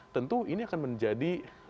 tentu ini akan menjadi